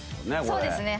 そうですね。